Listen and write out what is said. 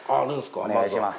お願いします。